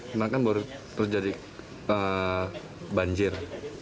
memang kan baru terjadi banjir